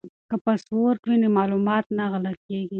که پاسورډ وي نو معلومات نه غلا کیږي.